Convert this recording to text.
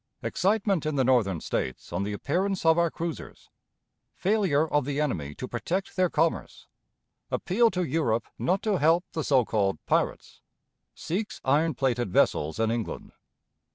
Excitement in the Northern States on the Appearance of our Cruisers. Failure of the Enemy to protect their Commerce. Appeal to Europe not to help the So called "Pirates." Seeks Iron plated Vessels in England.